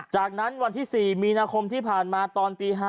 จากนั้นวันที่๔มีนาคมที่ผ่านมาตอนตี๕